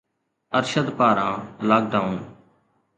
ارشد پاران lock down